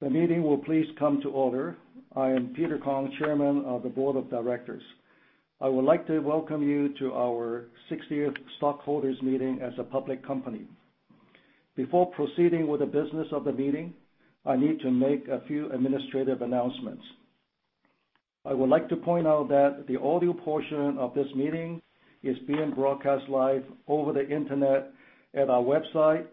The meeting will please come to order. I am Peter Kong, Chairman of the Board of Directors. I would like to welcome you to our 60th stockholders meeting as a public company. Before proceeding with the business of the meeting, I need to make a few administrative announcements. I would like to point out that the audio portion of this meeting is being broadcast live over the internet at our website,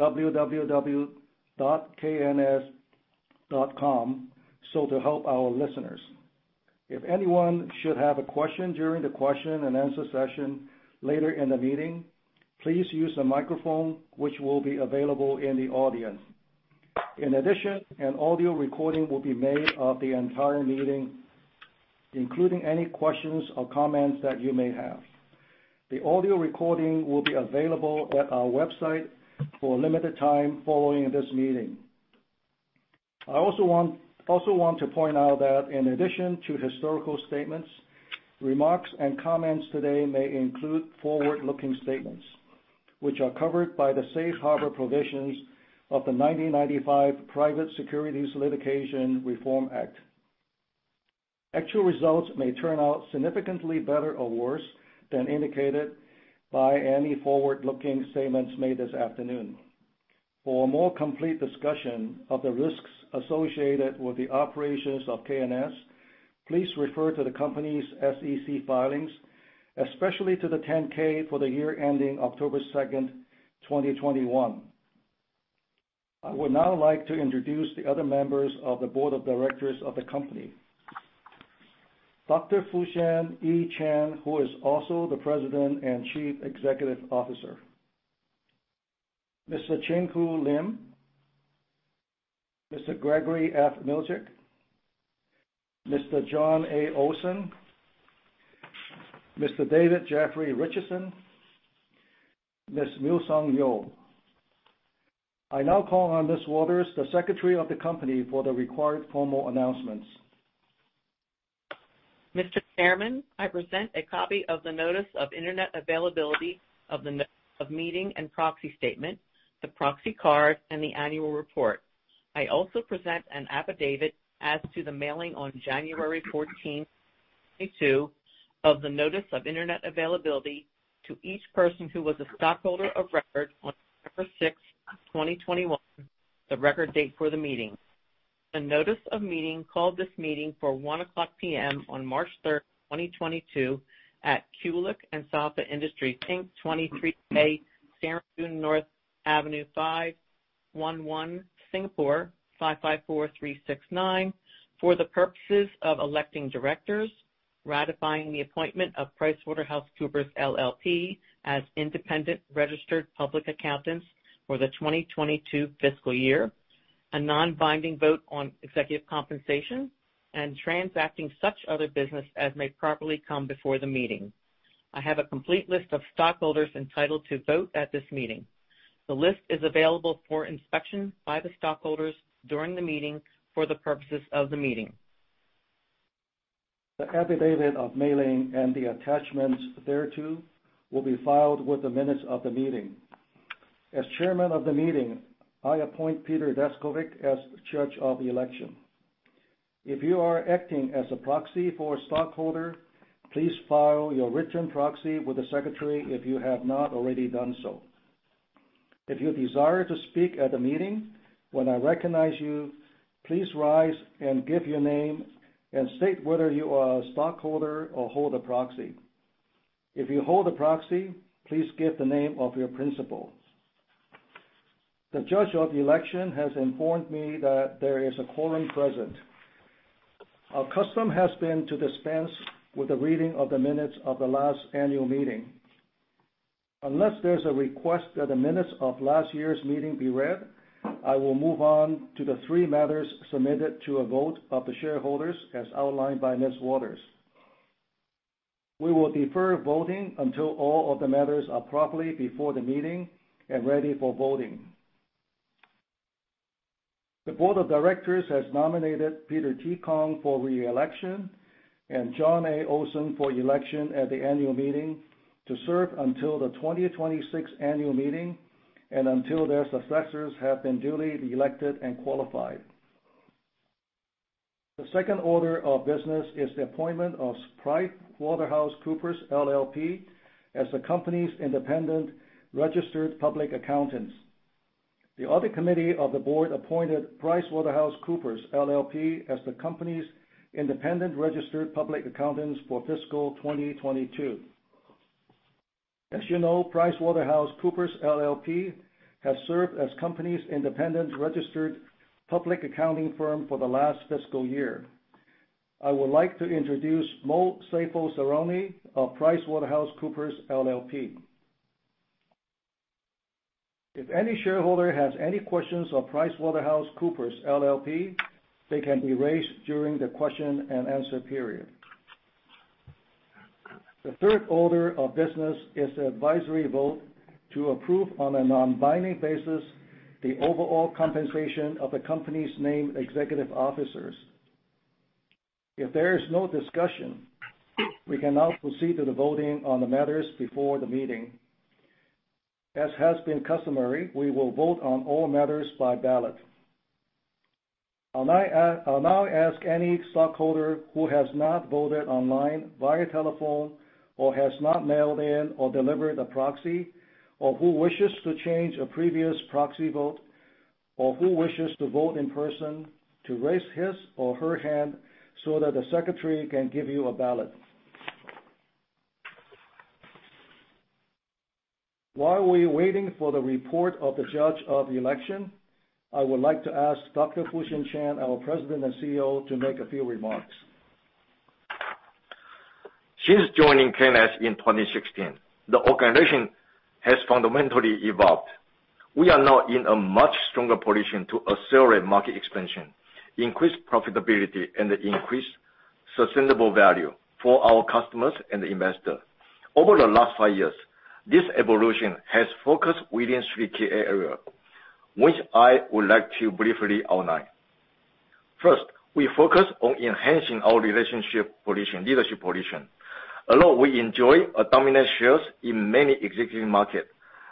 www.kns.com, so to help our listeners. If anyone should have a question during the question-and-answer session later in the meeting, please use the microphone which will be available in the audience. In addition, an audio recording will be made of the entire meeting, including any questions or comments that you may have. The audio recording will be available at our website for a limited time following this meeting. I also want to point out that in addition to historical statements, remarks and comments today may include forward-looking statements, which are covered by the Safe Harbor provisions of the 1995 Private Securities Litigation Reform Act. Actual results may turn out significantly better or worse than indicated by any forward-looking statements made this afternoon. For a more complete discussion of the risks associated with the operations of KNS, please refer to the company's SEC filings, especially to the 10-K for the year ending October 2nd, 2021. I would now like to introduce the other members of the board of directors of the company. Dr. Fusen E. Chen, who is also the President and Chief Executive Officer. Mr. Chin Hu Lim, Mr. Gregory F. Milzcik, Mr. Jon A. Olson, Mr. David Jeffrey Richardson, Ms. Mui Sung Yeo. I now call on Ms. Waters, the Secretary of the company, for the required formal announcements. Mr. Chairman, I present a copy of the notice of internet availability of the meeting and proxy statement, the proxy card, and the annual report. I also present an affidavit as to the mailing on January 14th, 2022, of the notice of internet availability to each person who was a stockholder of record on December 6th, 2021, the record date for the meeting. The notice of meeting called this meeting for 1:00 P.M. on March 3rd, 2022, at Kulicke & Soffa Industries, Inc, 23A Serangoon North Avenue 5 #01-01, Singapore 554369 for the purposes of electing directors, ratifying the appointment of PricewaterhouseCoopers LLP as independent registered public accountants for the 2022 fiscal year, a non-binding vote on executive compensation, and transacting such other business as may properly come before the meeting. I have a complete list of stockholders entitled to vote at this meeting. The list is available for inspection by the stockholders during the meeting for the purposes of the meeting. The affidavit of mailing and the attachments thereto will be filed with the minutes of the meeting. As Chairman of the meeting, I appoint Peter Deskovich as Judge of the Election. If you are acting as a proxy for a stockholder, please file your written proxy with the Secretary if you have not already done so. If you desire to speak at the meeting, when I recognize you, please rise and give your name and state whether you are a stockholder or hold a proxy. If you hold a proxy, please give the name of your principal. The Judge of the Election has informed me that there is a quorum present. Our custom has been to dispense with the reading of the minutes of the last annual meeting. Unless there's a request that the minutes of last year's meeting be read, I will move on to the three matters submitted to a vote of the shareholders as outlined by Ms. Waters. We will defer voting until all of the matters are properly before the meeting and ready for voting. The Board of Directors has nominated Peter T. Kong for re-election and Jon A. Olson for election at the annual meeting to serve until the 2026 annual meeting and until their successors have been duly elected and qualified. The second order of business is the appointment of PricewaterhouseCoopers LLP as the company's independent registered public accountants. The Audit Committee of the Board appointed PricewaterhouseCoopers LLP as the company's independent registered public accountants for fiscal 2022. As you know, PricewaterhouseCoopers LLP has served as the company's independent registered public accounting firm for the last fiscal year. I would like to introduce Mohd Saiful Saroni of PricewaterhouseCoopers LLP. If any shareholder has any questions of PricewaterhouseCoopers LLP, they can be raised during the question-and-answer period. The third order of business is the advisory vote to approve on a non-binding basis the overall compensation of the company's named executive officers. If there is no discussion, we can now proceed to the voting on the matters before the meeting. As has been customary, we will vote on all matters by ballot. I'll now ask any stockholder who has not voted online, via telephone, or has not mailed in or delivered a proxy, or who wishes to change a previous proxy vote, or who wishes to vote in person to raise his or her hand so that the secretary can give you a ballot. While we're waiting for the report of the judge of the election, I would like to ask Dr. Fusen Chen, our President and CEO, to make a few remarks. Since joining KNS in 2016, the organization has fundamentally evolved. We are now in a much stronger position to accelerate market expansion, increase profitability, and increase sustainable value for our customers and the investor. Over the last five years, this evolution has focused within three key areas, which I would like to briefly outline. First, we focus on enhancing our leadership position. Although we enjoy dominant shares in many existing markets,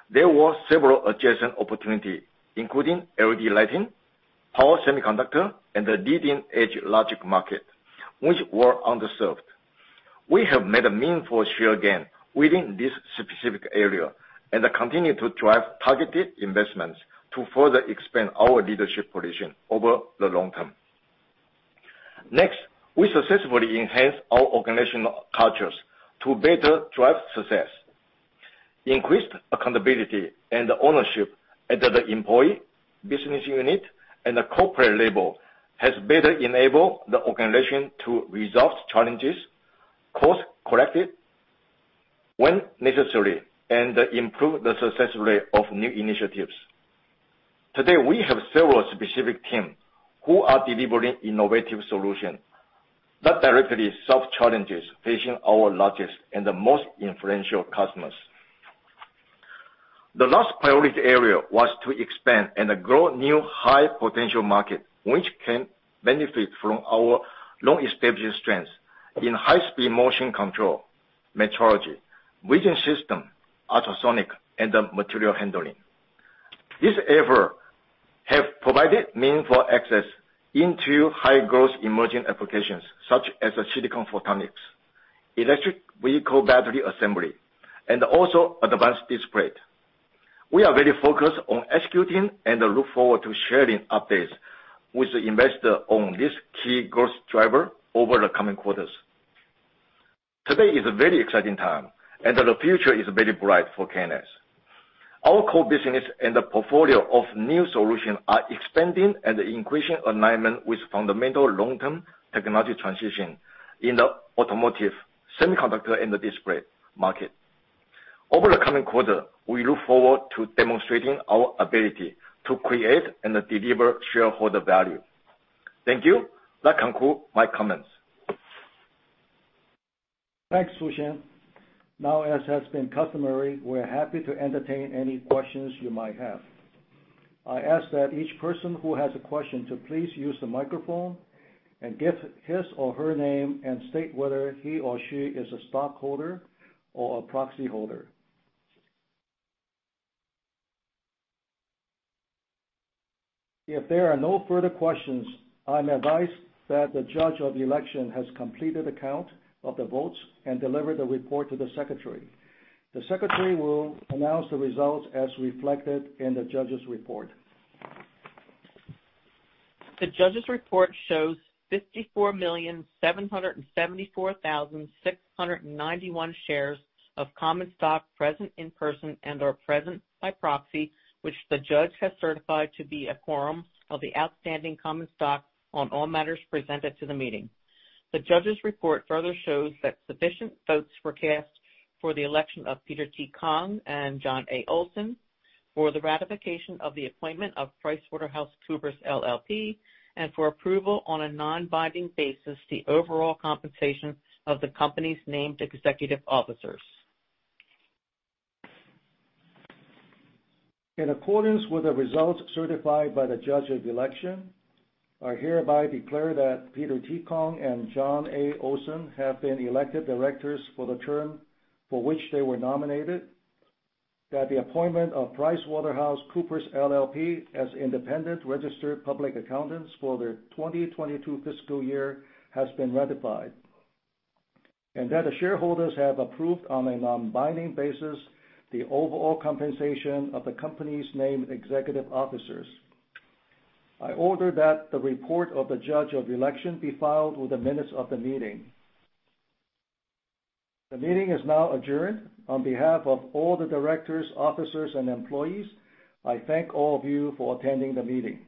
there were several adjacent opportunities, including LED lighting, power semiconductor, and the leading-edge logic market, which were underserved. We have made a meaningful share gain within this specific areas and continue to drive targeted investments to further expand our leadership position over the long term. Next, we successfully enhanced our organizational cultures to better drive success. Increased accountability and ownership at the employee, business unit, and the corporate level has better enabled the organization to resolve challenges, course-correct it when necessary, and improve the success rate of new initiatives. Today, we have several specific team who are delivering innovative solution that directly solve challenges facing our largest and the most influential customers. The last priority area was to expand and grow new high-potential market which can benefit from our long-established strengths in high-speed motion control, metrology, vision system, ultrasonic, and material handling. This effort have provided meaningful access into high-growth emerging applications such as silicon photonics, electric vehicle battery assembly, and also advanced display. We are very focused on executing and look forward to sharing updates with the investor on this key growth driver over the coming quarters. Today is a very exciting time, and the future is very bright for KNS. Our core business and the portfolio of new solutions are expanding and increasing alignment with fundamental long-term technology transition in the automotive, semiconductor, and the display market. Over the coming quarter, we look forward to demonstrating our ability to create and deliver shareholder value. Thank you. That concludes my comments. Thanks, Fusen. Now, as has been customary, we're happy to entertain any questions you might have. I ask that each person who has a question to please use the microphone and give his or her name and state whether he or she is a stockholder or a proxy holder. If there are no further questions, I'm advised that the judge of the election has completed a count of the votes and delivered the report to the secretary. The secretary will announce the results as reflected in the judge's report. The judge's report shows 54,774,691 shares of common stock present in person and/or present by proxy, which the judge has certified to be a quorum of the outstanding common stock on all matters presented to the meeting. The judge's report further shows that sufficient votes were cast for the election of Peter T. Kong and Jon A. Olson for the ratification of the appointment of PricewaterhouseCoopers LLP, and for approval on a non-binding basis the overall compensation of the company's named executive officers. In accordance with the results certified by the judge of the election, I hereby declare that Peter T. Kong and Jon A. Olson have been elected Directors for the term for which they were nominated, that the appointment of PricewaterhouseCoopers LLP as independent registered public accountants for the 2022 fiscal year has been ratified, and that the shareholders have approved on a non-binding basis the overall compensation of the company's named executive officers. I order that the report of the judge of election be filed with the minutes of the meeting. The meeting is now adjourned. On behalf of all the directors, officers, and employees, I thank all of you for attending the meeting.